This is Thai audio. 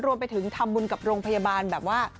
รวมไปถึงทำบุญกับโรงพยาบาลแบบว่า